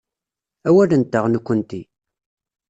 Awal-nteɣ, nekkenti.